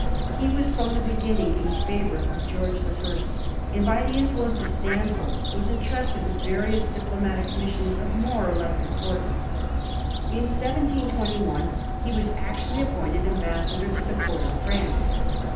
He waa fix)m the beginning a favourite of George the First, and by the influence of Stanhope was entrusted with various diplomatic missions of more or less importance. In 1721 he was actually appointed ambassador to the Court of France.